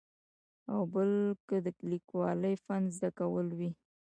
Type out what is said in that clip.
او بل که د لیکوالۍ فن زده کول وي.